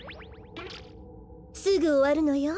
すぐおわるのよ。